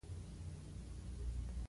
ژبه د ماشومانو د پوهېدو لاره ده